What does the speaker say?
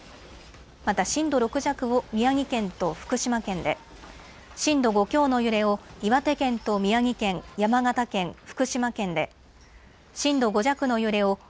また震度６弱を宮城県と福島県で、震度５強の揺れを岩手県と宮城県、山形県、福島県で、震度５弱の揺れを